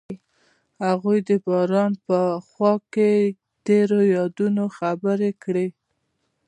هغوی د باران په خوا کې تیرو یادونو خبرې کړې.